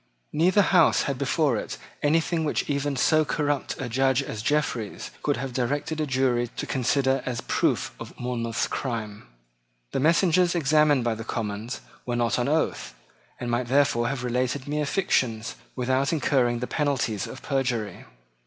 Neither House had before it anything which even so corrupt a judge as Jeffreys could have directed a jury to consider as proof of Monmouth's crime. The messengers examined by the Commons were not on oath, and might therefore have related mere fictions without incurring the penalties of perjury.